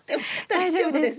大丈夫ですか？